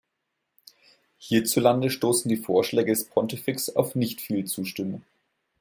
Hierzulande stoßen die Vorschläge des Pontifex auf nicht viel Zustimmung.